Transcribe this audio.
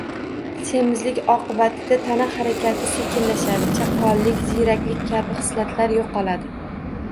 Semizlik oqibatida tana harakati sekinlashadi, chaqqonlik, ziyraklik kabi xislatlar yo‘qoladi.